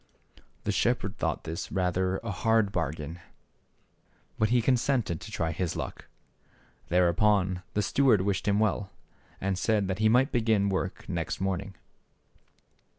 The shepherd thought this rather a hard bar gain, but he consented to try his luck. There upon the steward wished him well, j^r. . and said that he might begin ^ wor k ^0 nex t morning.